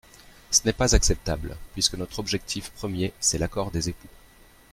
Ce n’est pas acceptable, puisque notre objectif premier, c’est l’accord des époux.